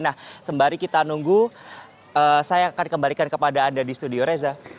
nah sembari kita nunggu saya akan kembalikan kepada anda di studio reza